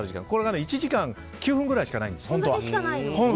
これが１時間９分くらいしかないんですよ。